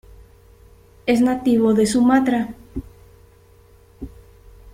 Es nativo de Sumatra.